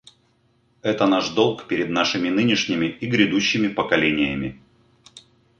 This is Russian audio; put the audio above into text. Это наш долг перед нашими нынешними и грядущими поколениями.